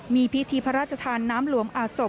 มีพิธีพระราชทานน้ำหลวงอาศพ